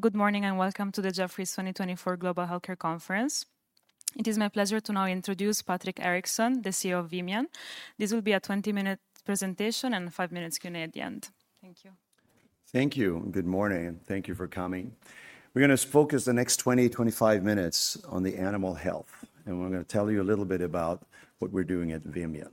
Good morning and welcome to the Jefferies 2024 Global Healthcare Conference. It is my pleasure to now introduce Patrik Eriksson, the CEO of Vimian. This will be a 20-minute presentation and five minutes Q&A at the end. Thank you. Thank you. Good morning. Thank you for coming. We're going to focus the next 20, 25 minutes on the animal health, and we're going to tell you a little bit about what we're doing at Vimian.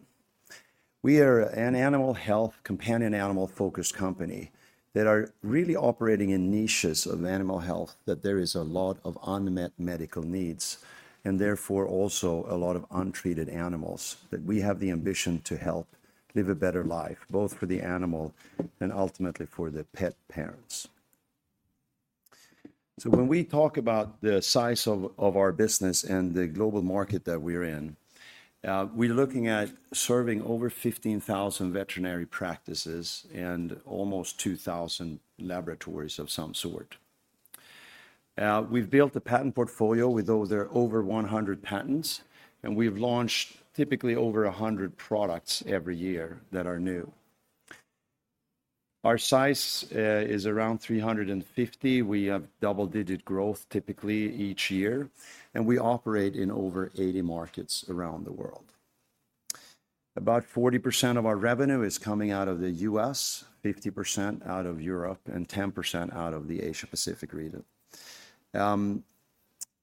We are an animal health companion, animal-focused company that are really operating in niches of animal health that there is a lot of unmet medical needs and therefore also a lot of untreated animals that we have the ambition to help live a better life, both for the animal and ultimately for the pet parents. So when we talk about the size of our business and the global market that we're in, we're looking at serving over 15,000 veterinary practices and almost 2,000 laboratories of some sort. We've built a patent portfolio with over 100 patents, and we've launched typically over 100 products every year that are new. Our size is around 350. We have double-digit growth typically each year, and we operate in over 80 markets around the world. About 40% of our revenue is coming out of the U.S., 50% out of Europe, and 10% out of the Asia-Pacific region.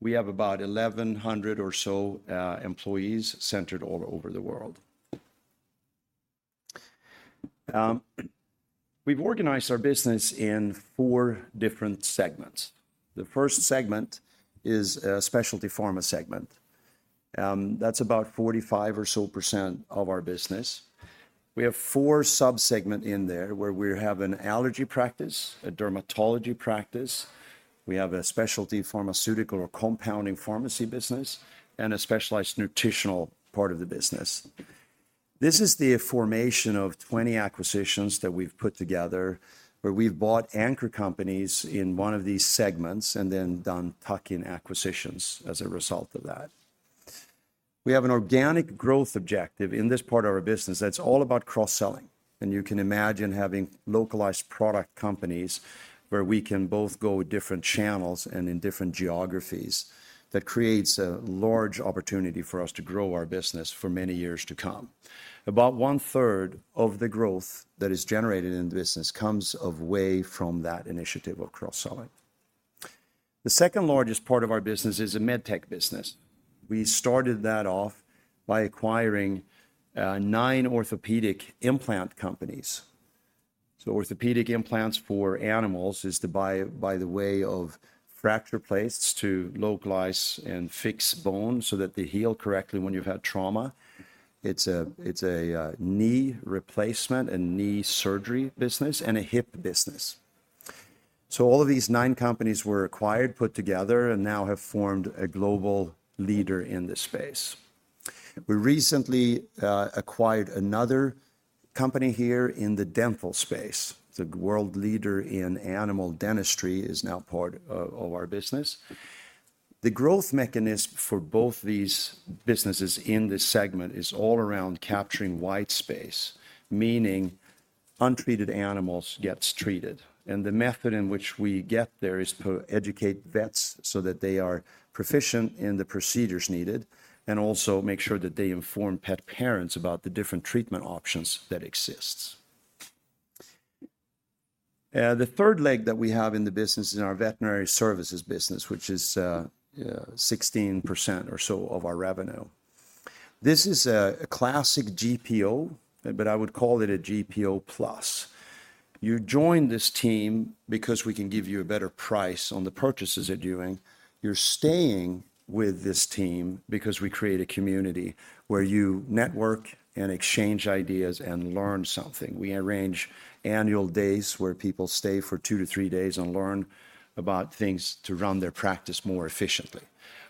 We have about 1,100 or so employees centered all over the world. We've organized our business in four different segments. The first segment is a specialty pharma segment. That's about 45% or so of our business. We have four sub-segments in there where we have an allergy practice, a dermatology practice. We have a specialty pharmaceutical or compounding pharmacy business and a specialized nutritional part of the business. This is the formation of 20 acquisitions that we've put together where we've bought anchor companies in one of these segments and then done tuck-in acquisitions as a result of that. We have an organic growth objective in this part of our business that's all about cross-selling. And you can imagine having localized product companies where we can both go different channels and in different geographies that creates a large opportunity for us to grow our business for many years to come. About one-third of the growth that is generated in the business comes away from that initiative of cross-selling. The second largest part of our business is a MedTech business. We started that off by acquiring nine orthopedic implant companies. So orthopedic implants for animals is the by way of fracture plates to localize and fix bone so that they heal correctly when you've had trauma. It's a knee replacement and knee surgery business and a hip business. So all of these nine companies were acquired, put together, and now have formed a global leader in this space. We recently acquired another company here in the dental space. The world leader in animal dentistry is now part of our business. The growth mechanism for both these businesses in this segment is all around capturing white space, meaning untreated animals get treated, and the method in which we get there is to educate vets so that they are proficient in the procedures needed and also make sure that they inform pet parents about the different treatment options that exist. The third leg that we have in the business is our veterinary services business, which is 16% or so of our revenue. This is a classic GPO, but I would call it a GPO plus. You join this team because we can give you a better price on the purchases you're doing. You're staying with this team because we create a community where you network and exchange ideas and learn something. We arrange annual days where people stay for two to three days and learn about things to run their practice more efficiently.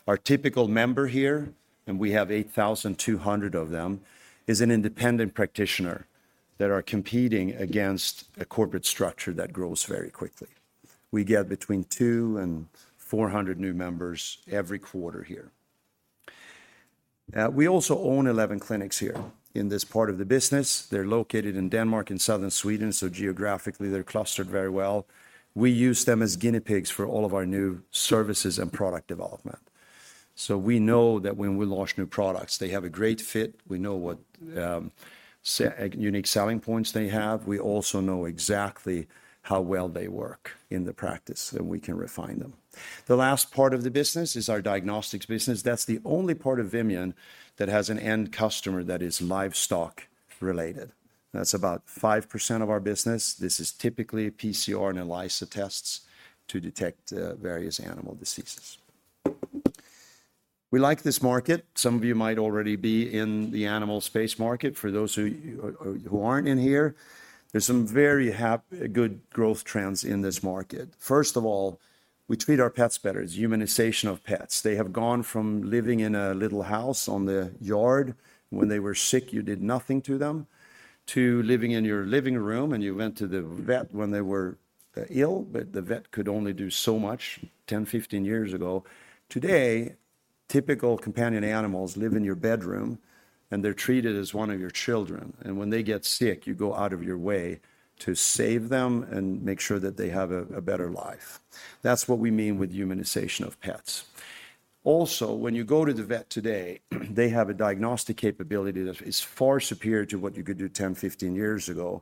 Our typical member here, and we have 8,200 of them, is an independent practitioner that are competing against a corporate structure that grows very quickly. We get between 200 and 400 new members every quarter here. We also own 11 clinics here in this part of the business. They're located in Denmark and southern Sweden, so geographically they're clustered very well. We use them as guinea pigs for all of our new services and product development. So we know that when we launch new products, they have a great fit. We know what unique selling points they have. We also know exactly how well they work in the practice and we can refine them. The last part of the business is our diagnostics business. That's the only part of Vimian that has an end customer that is livestock-related. That's about 5% of our business. This is typically PCR and ELISA tests to detect various animal diseases. We like this market. Some of you might already be in the animal space market. For those who aren't in here, there's some very good growth trends in this market. First of all, we treat our pets better. It's humanization of pets. They have gone from living in a little house on the yard when they were sick, you did nothing to them, to living in your living room and you went to the vet when they were ill, but the vet could only do so much 10, 15 years ago. Today, typical companion animals live in your bedroom and they're treated as one of your children, and when they get sick, you go out of your way to save them and make sure that they have a better life. That's what we mean with humanization of pets. Also, when you go to the vet today, they have a diagnostic capability that is far superior to what you could do 10, 15 years ago,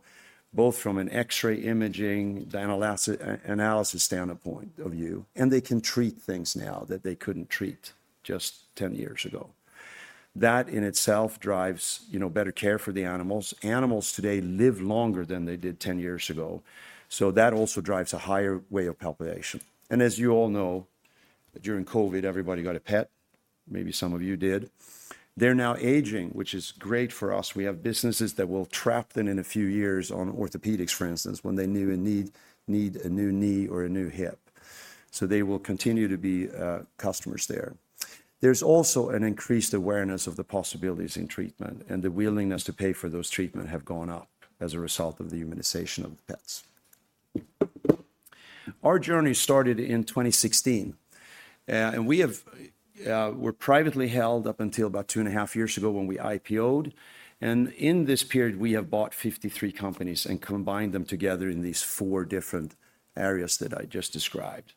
both from an X-ray imaging, the analysis standpoint of view, and they can treat things now that they couldn't treat just 10 years ago. That in itself drives better care for the animals. Animals today live longer than they did 10 years ago, so that also drives a higher way of population. And as you all know, during COVID, everybody got a pet. Maybe some of you did. They're now aging, which is great for us. We have businesses that will trap them in a few years on orthopedics, for instance, when they need a new knee or a new hip. So they will continue to be customers there. There's also an increased awareness of the possibilities in treatment and the willingness to pay for those treatments have gone up as a result of the humanization of pets. Our journey started in 2016, and we're privately held up until about two and a half years ago when we IPOed, and in this period, we have bought 53 companies and combined them together in these four different areas that I just described.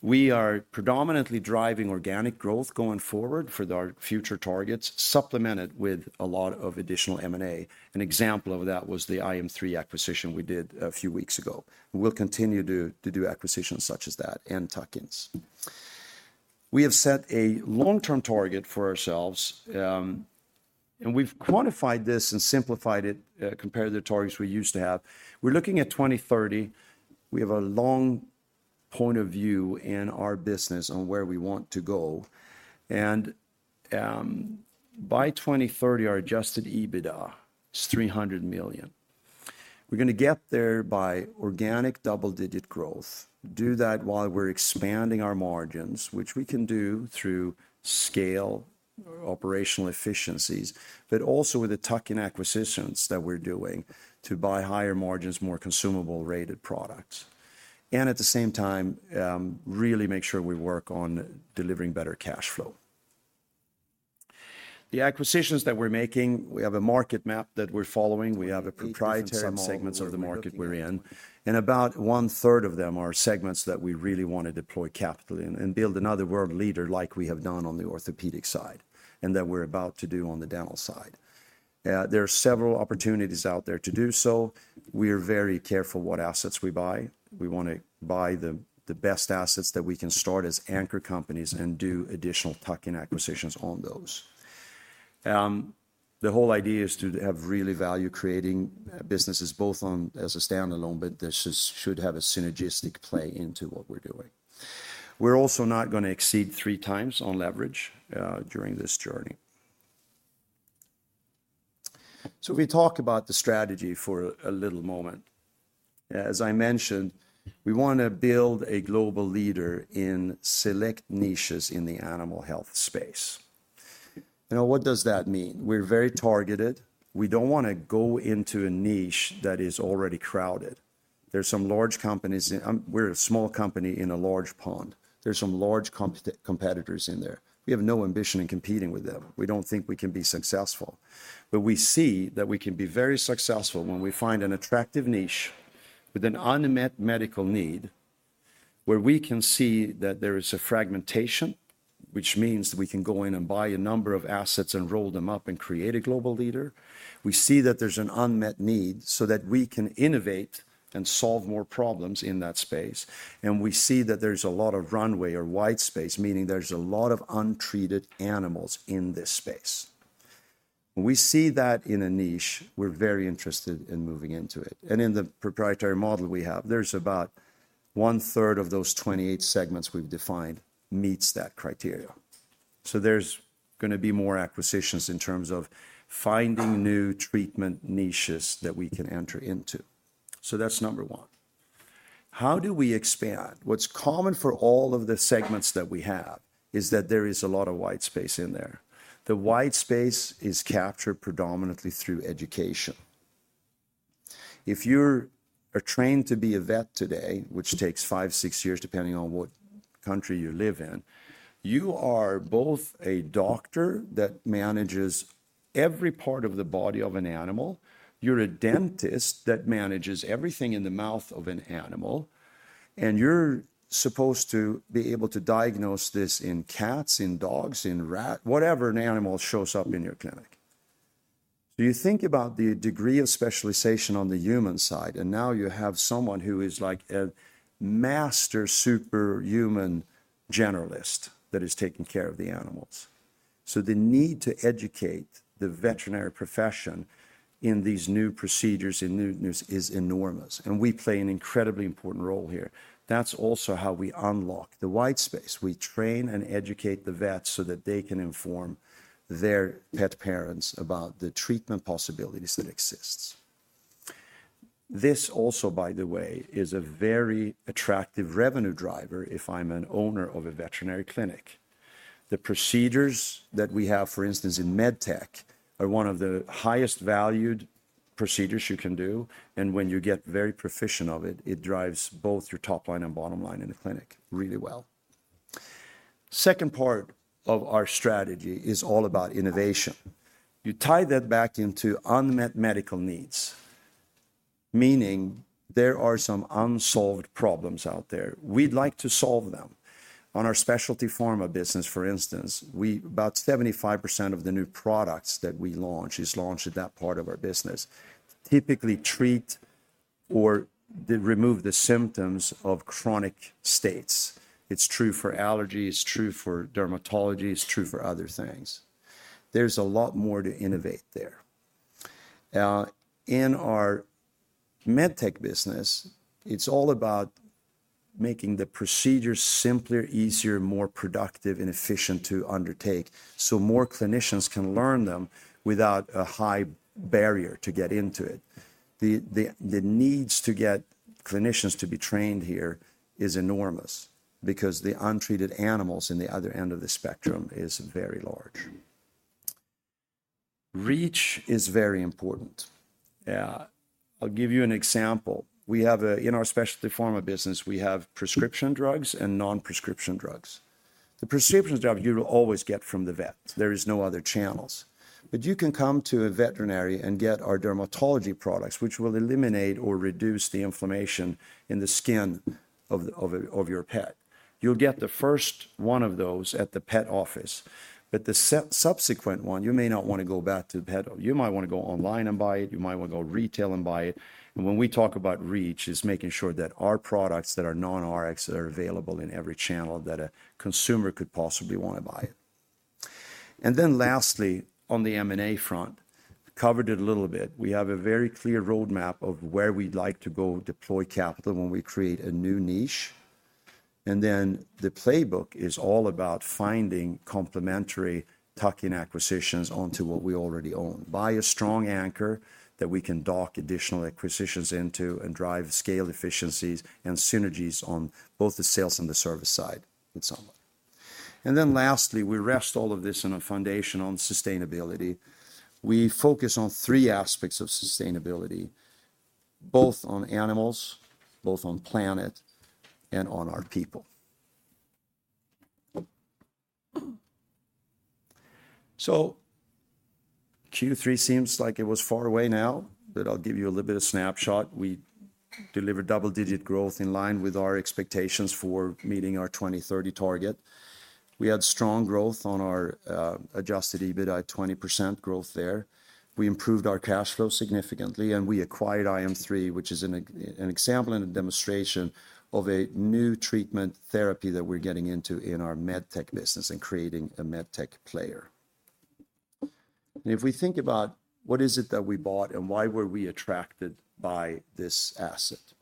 We are predominantly driving organic growth going forward for our future targets, supplemented with a lot of additional M&A. An example of that was the iM3 acquisition we did a few weeks ago. We'll continue to do acquisitions such as that and tuck-ins. We have set a long-term target for ourselves, and we've quantified this and simplified it compared to the targets we used to have. We're looking at 2030. We have a long point of view in our business on where we want to go, and by 2030, our Adjusted EBITDA is 300 million EUR. We're going to get there by organic double-digit growth, do that while we're expanding our margins, which we can do through scale operational efficiencies, but also with the tuck-in acquisitions that we're doing to buy higher margins, more consumable-rated products, and at the same time, really make sure we work on delivering better cash flow. The acquisitions that we're making, we have a market map that we're following. We have proprietary segments of the market we're in. And about one-third of them are segments that we really want to deploy capital in and build another world leader like we have done on the orthopedic side and that we're about to do on the dental side. There are several opportunities out there to do so. We are very careful what assets we buy. We want to buy the best assets that we can start as anchor companies and do additional tuck-in acquisitions on those. The whole idea is to have really value-creating businesses both as a standalone, but this should have a synergistic play into what we're doing. We're also not going to exceed three times on leverage during this journey. So we talk about the strategy for a little moment. As I mentioned, we want to build a global leader in select niches in the animal health space. Now, what does that mean? We're very targeted. We don't want to go into a niche that is already crowded. There's some large companies. We're a small company in a large pond. There's some large competitors in there. We have no ambition in competing with them. We don't think we can be successful, but we see that we can be very successful when we find an attractive niche with an unmet medical need where we can see that there is a fragmentation, which means we can go in and buy a number of assets and roll them up and create a global leader. We see that there's an unmet need so that we can innovate and solve more problems in that space, and we see that there's a lot of runway or white space, meaning there's a lot of untreated animals in this space. We see that in a niche. We're very interested in moving into it. And in the proprietary model we have, there's about one-third of those 28 segments we've defined meets that criteria. So there's going to be more acquisitions in terms of finding new treatment niches that we can enter into. So that's number one. How do we expand? What's common for all of the segments that we have is that there is a lot of white space in there. The white space is captured predominantly through education. If you're trained to be a vet today, which takes five, six years depending on what country you live in, you are both a doctor that manages every part of the body of an animal. You're a dentist that manages everything in the mouth of an animal. And you're supposed to be able to diagnose this in cats, in dogs, in rats, whatever an animal shows up in your clinic. So you think about the degree of specialization on the human side, and now you have someone who is like a master superhuman generalist that is taking care of the animals. So the need to educate the veterinary profession in these new procedures and newness is enormous. And we play an incredibly important role here. That's also how we unlock the white space. We train and educate the vets so that they can inform their pet parents about the treatment possibilities that exist. This also, by the way, is a very attractive revenue driver if I'm an owner of a veterinary clinic. The procedures that we have, for instance, in MedTech are one of the highest valued procedures you can do. And when you get very proficient of it, it drives both your top line and bottom line in the clinic really well. Second part of our strategy is all about innovation. You tie that back into unmet medical needs, meaning there are some unsolved problems out there. We'd like to solve them. On our specialty pharma business, for instance, about 75% of the new products that we launch is launched at that part of our business, typically treat or remove the symptoms of chronic states. It's true for allergies. It's true for dermatology. It's true for other things. There's a lot more to innovate there. In our MedTech business, it's all about making the procedures simpler, easier, more productive, and efficient to undertake so more clinicians can learn them without a high barrier to get into it. The needs to get clinicians to be trained here is enormous because the untreated animals in the other end of the spectrum is very large. Reach is very important. I'll give you an example. In our specialty pharma business, we have prescription drugs and non-prescription drugs. The prescription drugs you will always get from the vet. There are no other channels, but you can come to a veterinarian and get our dermatology products, which will eliminate or reduce the inflammation in the skin of your pet. You'll get the first one of those at the vet's office, but the subsequent one, you may not want to go back to the vet. You might want to go online and buy it. You might want to go retail and buy it, and when we talk about reach, it's making sure that our products that are non-Rx are available in every channel that a consumer could possibly want to buy it, and then lastly, on the M&A front, I covered it a little bit. We have a very clear roadmap of where we'd like to go deploy capital when we create a new niche. And then the playbook is all about finding complementary tuck-in acquisitions onto what we already own. Buy a strong anchor that we can dock additional acquisitions into and drive scale efficiencies and synergies on both the sales and the service side with someone. And then lastly, we rest all of this on a foundation on sustainability. We focus on three aspects of sustainability, both on animals, both on planet, and on our people. So Q3 seems like it was far away now, but I'll give you a little bit of a snapshot. We delivered double-digit growth in line with our expectations for meeting our 2030 target. We had strong growth on our Adjusted EBITDA, 20% growth there. We improved our cash flow significantly, and we acquired iM3, which is an example and a demonstration of a new treatment therapy that we're getting into in our MedTech business and creating a MedTech player, and if we think about what is it that we bought and why were we attracted by this asset?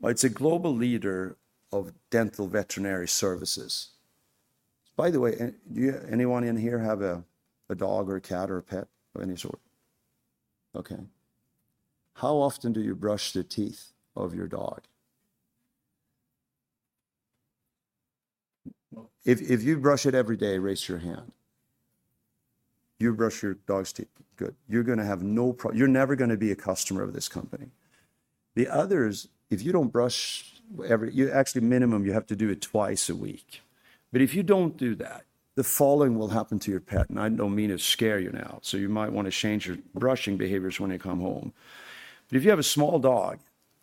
Well, it's a global leader of veterinary dental services. By the way, does anyone in here have a dog or a cat or a pet of any sort? Okay. How often do you brush the teeth of your dog? If you brush it every day, raise your hand. You brush your dog's teeth. Good. You're going to have no problem. You're never going to be a customer of this company. The others, if you don't brush every, you actually minimum, you have to do it twice a week. But if you don't do that, the following will happen to your pet. And I don't mean to scare you now, so you might want to change your brushing behaviors when you come home. But if you have a small dog,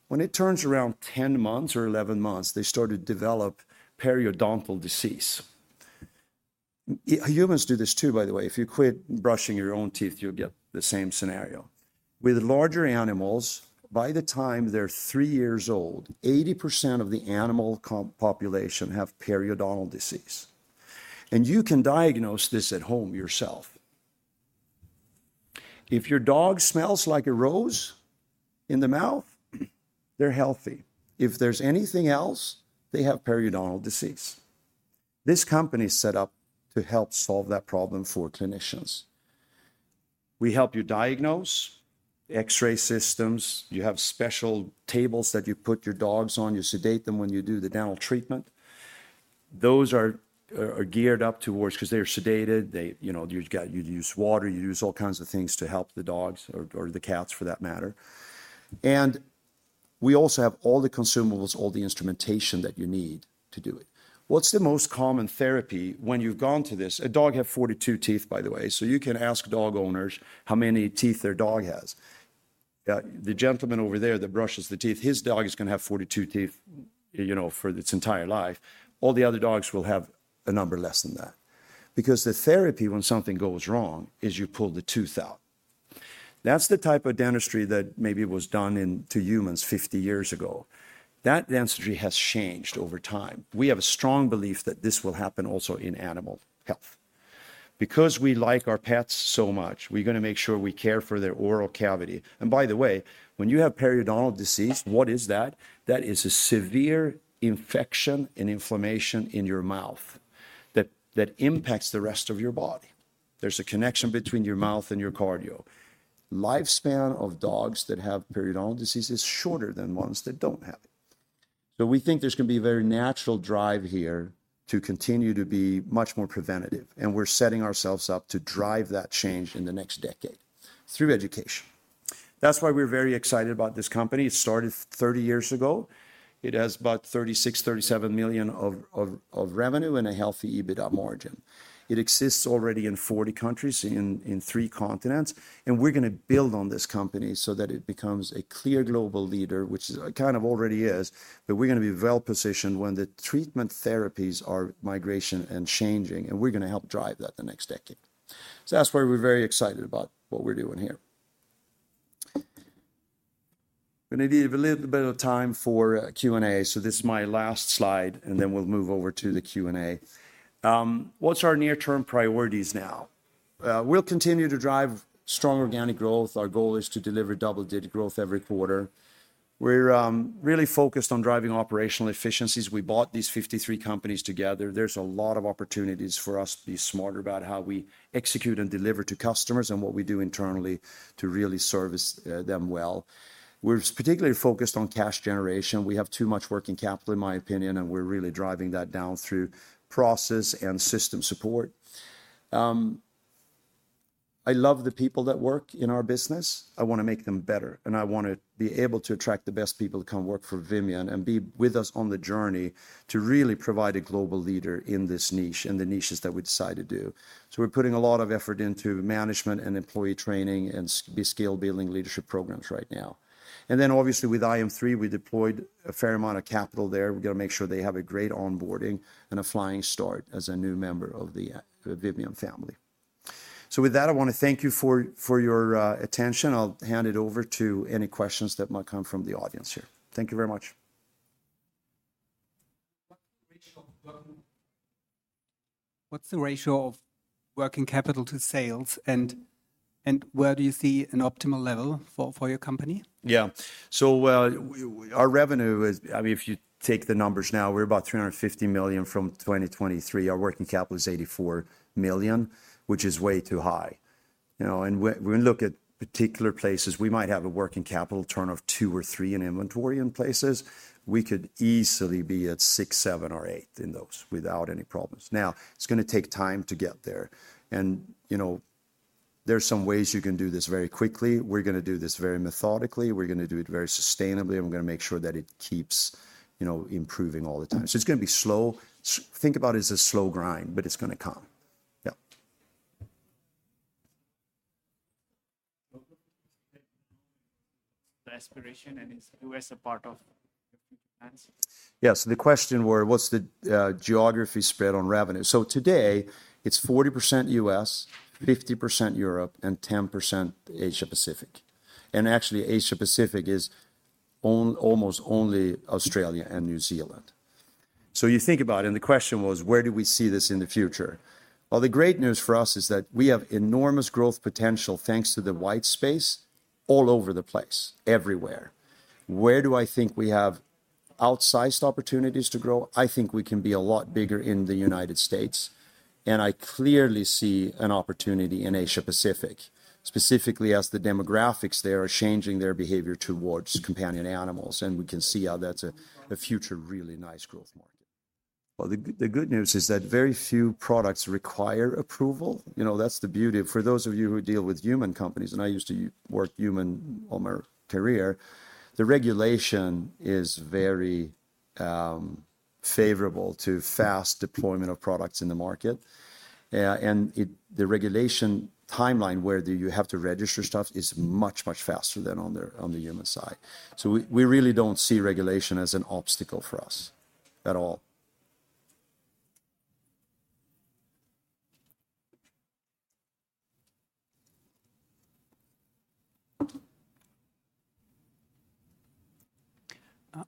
when it turns around 10 months or 11 months, they start to develop periodontal disease. Humans do this too, by the way. If you quit brushing your own teeth, you'll get the same scenario. With larger animals, by the time they're three years old, 80% of the animal population have periodontal disease. And you can diagnose this at home yourself. If your dog smells like a rose in the mouth, they're healthy. If there's anything else, they have periodontal disease. This company is set up to help solve that problem for clinicians. We help you diagnose, X-ray systems. You have special tables that you put your dogs on. You sedate them when you do the dental treatment. Those are geared up towards because they're sedated. You use water. You use all kinds of things to help the dogs or the cats for that matter. And we also have all the consumables, all the instrumentation that you need to do it. What's the most common therapy when you've gone to this? A dog has 42 teeth, by the way. So you can ask dog owners how many teeth their dog has. The gentleman over there that brushes the teeth, his dog is going to have 42 teeth for its entire life. All the other dogs will have a number less than that. Because the therapy when something goes wrong is you pull the tooth out. That's the type of dentistry that maybe was done to humans 50 years ago. That dentistry has changed over time. We have a strong belief that this will happen also in animal health. Because we like our pets so much, we're going to make sure we care for their oral cavity, and by the way, when you have periodontal disease, what is that? That is a severe infection and inflammation in your mouth that impacts the rest of your body. There's a connection between your mouth and your cardio. Lifespan of dogs that have periodontal disease is shorter than ones that don't have it, so we think there's going to be a very natural drive here to continue to be much more preventative, and we're setting ourselves up to drive that change in the next decade through education. That's why we're very excited about this company. It started 30 years ago. It has about 36 to 37 million of revenue and a healthy EBITDA margin. It exists already in 40 countries in three continents, and we're going to build on this company so that it becomes a clear global leader, which it kind of already is, but we're going to be well-positioned when the treatment therapies are migrating and changing, and we're going to help drive that in the next decade, so that's why we're very excited about what we're doing here. I'm going to need a little bit of time for Q&A, so this is my last slide, and then we'll move over to the Q&A. What's our near-term priorities now? We'll continue to drive strong organic growth. Our goal is to deliver double-digit growth every quarter. We're really focused on driving operational efficiencies. We bought these 53 companies together. There's a lot of opportunities for us to be smarter about how we execute and deliver to customers and what we do internally to really service them well. We're particularly focused on cash generation. We have too much working capital, in my opinion, and we're really driving that down through process and system support. I love the people that work in our business. I want to make them better. And I want to be able to attract the best people to come work for Vimian and be with us on the journey to really provide a global leader in this niche and the niches that we decide to do. So we're putting a lot of effort into management and employee training and scale-building leadership programs right now. And then, obviously, with iM3, we deployed a fair amount of capital there. We're going to make sure they have a great onboarding and a flying start as a new member of the Vimian family. So with that, I want to thank you for your attention. I'll hand it over to any questions that might come from the audience here. Thank you very much. What's the ratio of working capital to sales? And where do you see an optimal level for your company? Yeah. So our revenue, I mean, if you take the numbers now, we're about 350 million from 2023. Our working capital is 84 million, which is way too high. And when we look at particular places, we might have a working capital turn of two or three in inventory in places. We could easily be at six, seven, or eight in those without any problems. Now, it's going to take time to get there. There are some ways you can do this very quickly. We're going to do this very methodically. We're going to do it very sustainably. And we're going to make sure that it keeps improving all the time. So it's going to be slow. Think about it as a slow grind, but it's going to come. Yeah. The aspiration? And is U.S. a part of your future plans? Yeah. So the question was, what's the geography spread on revenue? So today, it's 40% U.S., 50% Europe, and 10% Asia-Pacific. And actually, Asia-Pacific is almost only Australia and New Zealand. So you think about it, and the question was, where do we see this in the future? Well, the great news for us is that we have enormous growth potential thanks to the white space all over the place, everywhere. Where do I think we have outsized opportunities to grow? I think we can be a lot bigger in the United States. And I clearly see an opportunity in Asia-Pacific, specifically as the demographics there are changing their behavior towards companion animals. And we can see how that's a future really nice growth market. Well, the good news is that very few products require approval. That's the beauty. For those of you who deal with human companies, and I used to work human all my career, the regulation is very favorable to fast deployment of products in the market. And the regulation timeline where you have to register stuff is much, much faster than on the human side. So we really don't see regulation as an obstacle for us at all.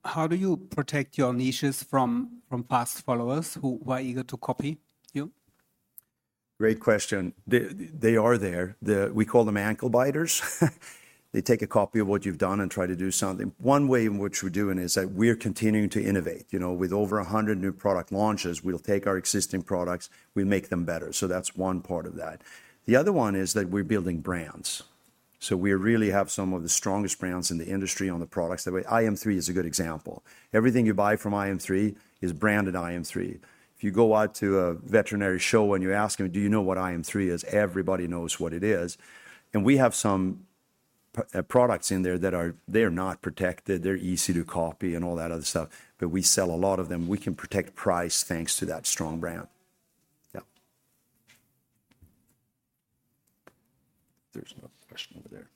How do you protect your niches from fast followers who are eager to copy you? Great question. They are there. We call them ankle biters. They take a copy of what you've done and try to do something. One way in which we're doing is that we're continuing to innovate. With over 100 new product launches, we'll take our existing products. We make them better. So that's one part of that. The other one is that we're building brands. So we really have some of the strongest brands in the industry on the products. iM3 is a good example. Everything you buy from iM3 is branded iM3. If you go out to a veterinary show and you ask them, "Do you know what iM3 is?" Everybody knows what it is. And we have some products in there that are not protected. They're easy to copy and all that other stuff. But we sell a lot of them. We can protect price thanks to that strong brand. Yeah. There's another question over there.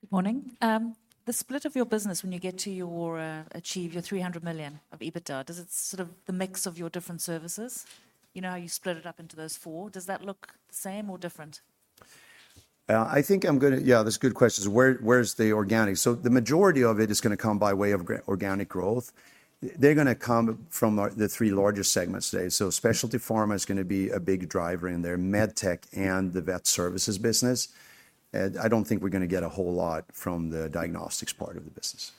Good morning. The split of your business, when you get to achieve your 300 million of EBITDA, does it sort of the mix of your different services? You know how you split it up into those four. Does that look the same or different? I think I'm going to, yeah, that's a good question. Where's the organic? So the majority of it is going to come by way of organic growth. They're going to come from the three largest segments today. So specialty pharma is going to be a big driver in there, MedTech, and the vet services business. I don't think we're going to get a whole lot from the diagnostics part of the business.